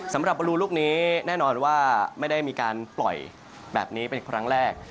สำหรับบรูลูกนี้แน่นอนว่าไม่ได้มีการปล่อยแบบนี้เป็นครั้งแรก